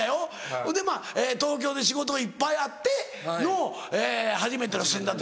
ほいでまぁ東京で仕事がいっぱいあっての初めての住んだ時。